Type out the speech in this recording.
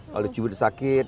kalau cubit sakit